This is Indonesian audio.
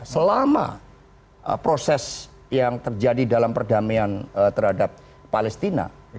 selama proses yang terjadi dalam perdamaian terhadap palestina